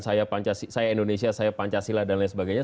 saya indonesia saya pancasila dan lain sebagainya